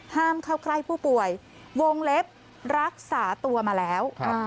ห้ามเข้าใกล้ผู้ป่วยวงเล็บรักษาตัวมาแล้ว